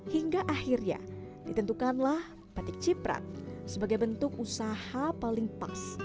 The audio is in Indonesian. hingga akhirnya ditentukanlah batik ciprat sebagai bentuk usaha paling pas